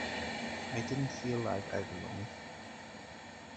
I didn't feel like I belonged.